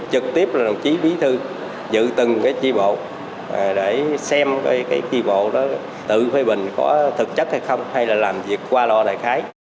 trực tiếp là đồng chí bí thư giữ từng tri bộ để xem tri bộ tự phê bình có thực chất hay không hay là làm việc qua lo đại khái